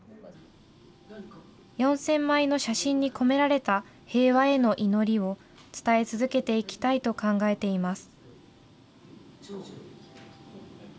４０００枚の写真に込められた平和への祈りを伝え続けていきたいと考えています。